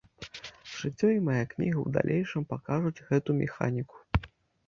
Жыццё і мая кніга ў далейшым пакажуць гэту механіку.